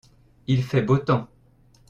Il fait beau temps.